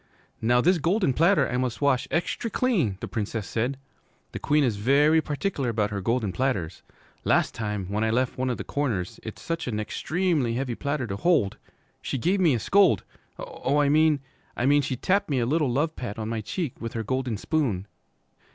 'Now this golden platter I must wash extry clean,' the Princess said. 'The Queen is ve ry particular about her golden platters. Last time, when I left one o' the corners, it's such a nextremely heavy platter to hold, she gave me a scold, oh, I mean, I mean she tapped me a little love pat on my cheek with her golden spoon.'